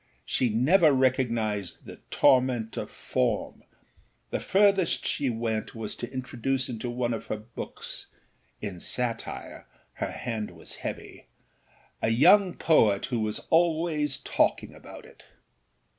She never recognised the âtorment of formâ; the furthest she went was to introduce into one of her books (in satire her hand was heavy) a young poet who was always talking about it.